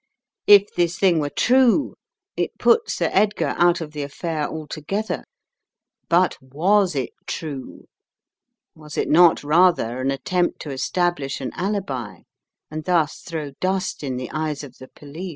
If this thing were true, it put Sir Edgar out of the affair altogether. Bui teas U true? Was it not rather an attempt to establish an alibi, and thus throw dust in the eyes of the police?